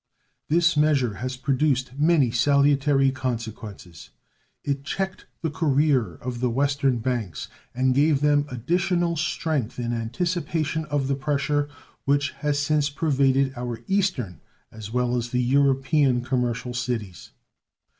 This measure has produced many salutary consequences. It checked the career of the Western banks and gave them additional strength in anticipation of the pressure which has since pervaded our Eastern as well as the European commercial cities.